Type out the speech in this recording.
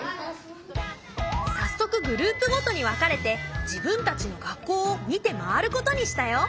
早速グループごとに分かれて自分たちの学校を見て回ることにしたよ。